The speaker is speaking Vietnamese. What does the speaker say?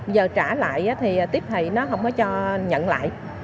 giờ trả lại thì tiếp thị nó không mới cho nhận lại